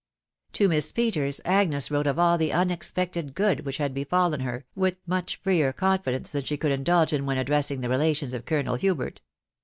To Miss Peters Agnes wrote of all the unexpected good which had befallen her, with much freer confidence than she could indulge in when addressing the relations of Colonel Hubert.